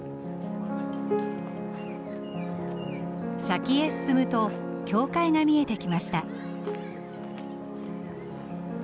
先へ進むと教会が見えてきました。